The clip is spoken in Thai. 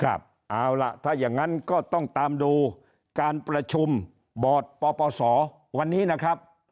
เอาล่ะถ้าอย่างนั้นก็ต้องตามดูการประชุมบอร์ดปปศวันนี้นะครับ